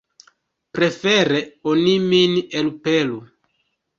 Prefere oni min elpelu.